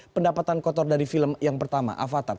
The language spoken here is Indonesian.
pendapatan kotor dari film yang pertama avatad